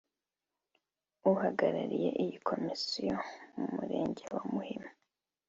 uhagarariye iyi komisiyo mu murenge wa Muhima